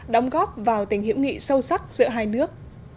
đóng góp vào tình hiểu nghị sâu sắc giữa hai nước